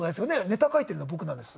ネタ書いているの僕なんです